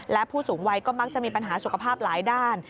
และผู้สูงวัยก็มักจะมีปัญหาสุขภาพหลายด้าน